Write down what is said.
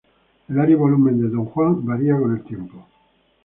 El área y volumen de Don Juan varía con el tiempo.